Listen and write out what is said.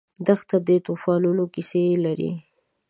دښته د توفانونو کیسې لري.